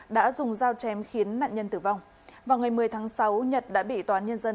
đã dùng dao chém khiến nạn nhân tử vong vào ngày một mươi tháng sáu nhật đã bị tòa án nhân dân